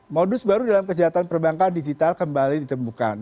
modus baru dalam kejahatan perbankan digital kembali ditemukan